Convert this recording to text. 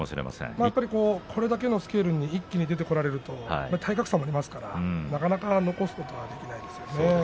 これだけのスケールに一気に出てこられると体格差もありますから、なかなか残すことができないですね。